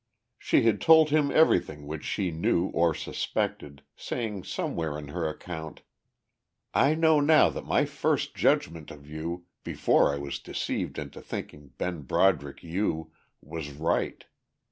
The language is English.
She had told him everything which she knew or suspected, saying somewhere in her account, "I know now that my first judgment of you, before I was deceived into thinking Ben Broderick you, was right.